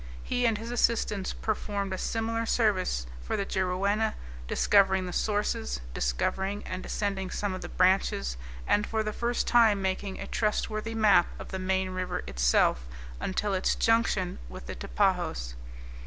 He and his assistants performed a similar service for the Juruena, discovering the sources, discovering and descending some of the branches, and for the first time making a trustworthy map of the main river itself, until its junction with the Tapajos.